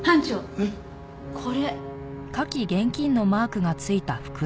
えっ？これ。